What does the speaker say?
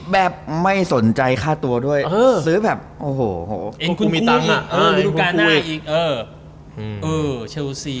แบบไม่สนใจค่าตัวอย่างเที่ยว